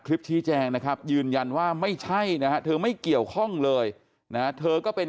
คลิปชี้แจงนะครับยืนยันว่าไม่ใช่นะฮะเธอไม่เกี่ยวข้องเลยนะเธอก็เป็น